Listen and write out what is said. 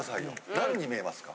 何に見えますか？